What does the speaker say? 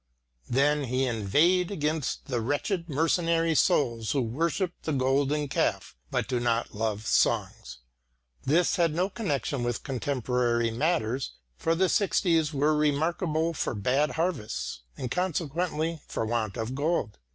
Then he inveighed against the wretched mercenary souls who worship the golden calf but do not love songs. This had no connection with contemporary matters, for the sixties were remarkable for bad harvests and consequently for want of gold.